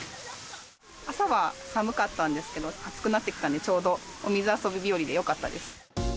朝は寒かったんですけれども、暑くなってきたんで、ちょうどお水遊び日和でよかったです。